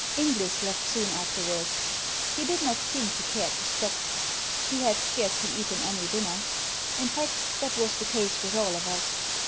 Inglis left soon afterwards. He did not seem to care to stop. He had scarcely eaten any dinner. In fact, that was the case with all of us.